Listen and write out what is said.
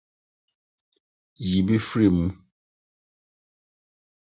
Yi me firi mu